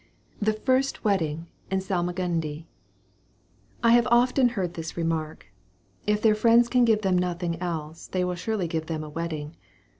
THE FIRST WEDDING IN SALMAGUNDI. I have often heard this remark, "If their friends can give them nothing else, they will surely give them a wedding."